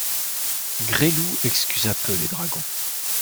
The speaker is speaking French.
Gresloup excusa peu les dragons.